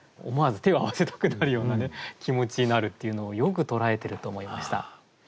思わず手を合わせたくなるような気持ちになるっていうのをよく捉えてると思いました。